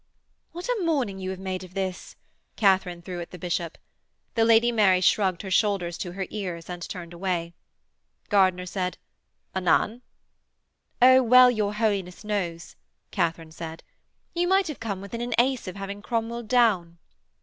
'What a morning you have made of this!' Katharine threw at the bishop. The Lady Mary shrugged her shoulders to her ears and turned away. Gardiner said: 'Anan?' 'Oh, well your Holiness knows,' Katharine said. 'You might have come within an ace of having Cromwell down.'